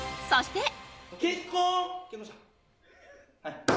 そして。